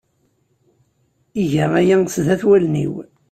Iga aya sdat wallen-iw.